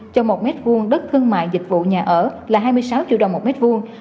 cho một mét vuông đất thương mại dịch vụ nhà ở là hai mươi sáu triệu đồng một mét vuông